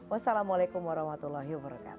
wassalamualaikum warahmatullahi wabarakatuh